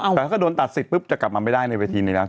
แต่ถ้าโดนตัดสิทธิปุ๊บจะกลับมาไม่ได้ในเวทีนี้แล้ว